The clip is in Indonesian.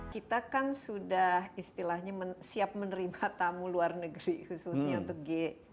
kita kan sudah istilahnya siap menerima tamu luar negeri khususnya untuk g dua puluh